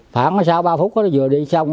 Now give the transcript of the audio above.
phản sau ba phút nó vừa đi xong